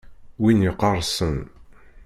Win yeqqerṣen.